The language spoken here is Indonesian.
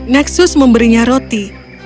nexus memberinya roti